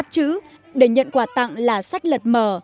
chữ để nhận quà tặng là sách lật mờ